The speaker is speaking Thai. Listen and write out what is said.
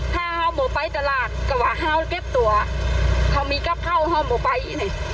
หาวหมู่ไปตลาดกว่าหาวเก็บตัวเขามีกับหาวหมู่ไปเนี่ย